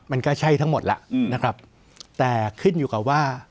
มันก็ใช่ทั้งหมดแล้วนะครับแต่ขึ้นอยู่กับว่า